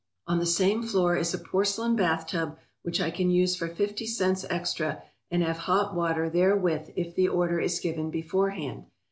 On the same floor is a porcelain bathtub which I can use for fifty cents extra and have hot water therewith if the order is given beforehand.